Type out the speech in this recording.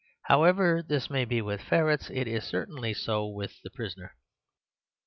However this may be with ferrets, it is certainly so with the prisoner.